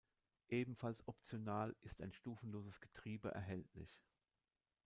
Ebenfalls optional ist ein Stufenloses Getriebe erhältlich.